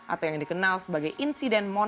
atau yang dikenal sebagai insiden monas dua ribu delapan